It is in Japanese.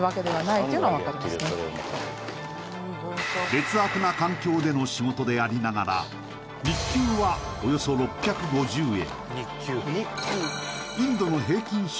劣悪な環境での仕事でありながら日給はおよそ６５０円。